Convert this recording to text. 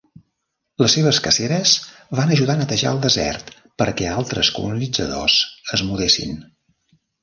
Les seves caceres van ajudar a netejar el desert perquè altres colonitzadors es mudessin.